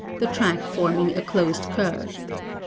the track forming a closed curve.